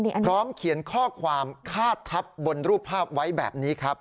พร้อมเขียนข้อความคาดทับบนรูปภาพไว้แบบนี้ครับ